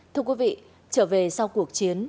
thưa quý vị trở về sau cuộc chiến